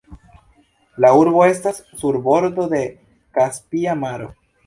La urbo estas sur bordo de Kaspia Maro.